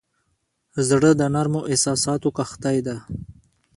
زړه د نرمو احساساتو کښتۍ ده.